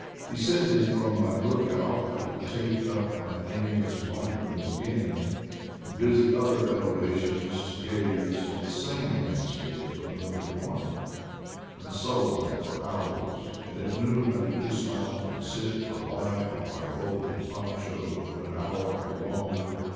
Descending from my look out, I would take up my aimless wanderings again, and visit other elevations to gaze on the same landscape from another point; and so on for hours, and at noon I would dismount and sit or lie on my folded poncho for an hour or longer.